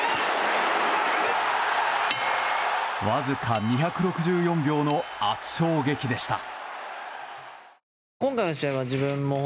わずか２６４秒の圧勝劇でした。